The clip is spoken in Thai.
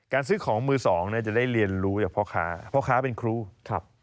ซื้อของมือสองเนี่ยจะได้เรียนรู้จากพ่อค้าพ่อค้าเป็นครูครับ